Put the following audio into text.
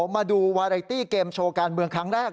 มาดูวาไรตี้เกมโชว์การเมืองครั้งแรก